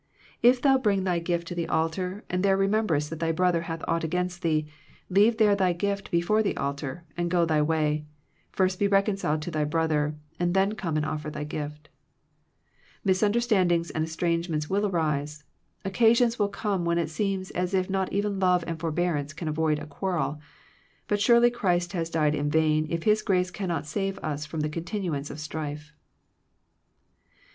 '*If thou bring thy gift to the 184 Digitized by VjOOQIC THE RENEWING OF FRIENDSHIP altar, and there rememberest that thy brother hath aught against thee, leave there thy gift before the altar, and go '.hy way; first be reconciled to thy broth er, and then come and oflfer thy gift." Misunderstandings and estrangements will arise, occasions will come when it seems as if not even love and forbear ance can avoid a quarrel, but surely Christ has died in vain if His grace can not save us from the continuance of strife.